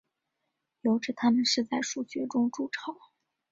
有指它们是在树穴中筑巢。